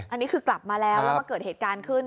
อันนี้คือกลับมาแล้วแล้วมาเกิดเหตุการณ์ขึ้น